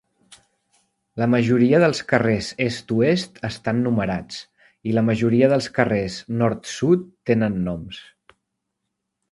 La majoria dels carrers est-oest estan numerats, i la majoria dels carrers nord-sud tenen noms.